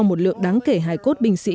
một lượng đáng kể hài cốt binh sĩ